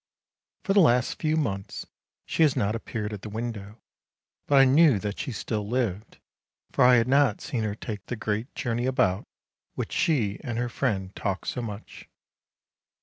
For the last few months she has not appeared at the window, but I knew that she still lived, for I had not seen her take the great journey about which she and her friend talked so much.